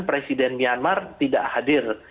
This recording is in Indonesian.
presiden myanmar tidak hadir